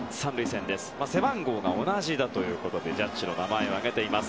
背番号が同じだということでジャッジの名前を挙げています。